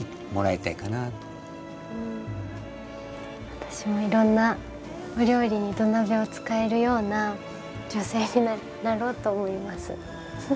私もいろんなお料理に土鍋を使えるような女性になろうと思います。